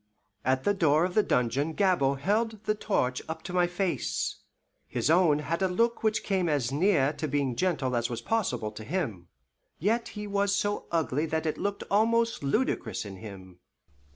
At the door of the dungeon Gabord held the torch up to my face. His own had a look which came as near to being gentle as was possible to him. Yet he was so ugly that it looked almost ludicrous in him.